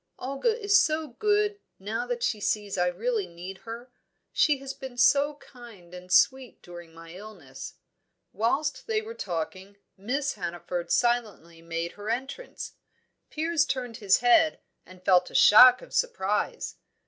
Olga is so good, now that she sees that I really need her. She has been so kind and sweet during my illness." Whilst they were talking, Miss Hannaford silently made her entrance. Piers turned his head, and felt a shock of surprise.